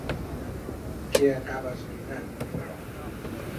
Què acaba esbrinant, però?